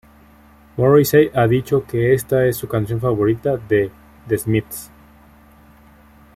Morrissey ha dicho que esta es su canción favorita de The Smiths.